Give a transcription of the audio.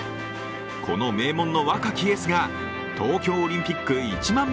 この名門の若きエースが東京オリンピック１００００